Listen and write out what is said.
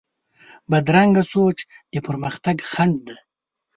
بدرنګه سوچ د پرمختګ خنډ دی